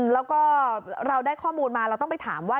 แล้วก็เราได้ข้อมูลมาเราต้องไปถามว่า